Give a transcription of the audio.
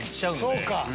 そうか。